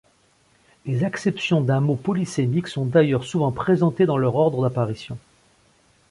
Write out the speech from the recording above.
Les acceptions d'un mot polysémique sont d'ailleurs souvent présentées dans leur ordre d'apparition.